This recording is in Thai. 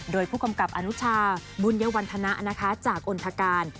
โดยผู้กำกับอนุชาบุญวันธนะจากอนทการ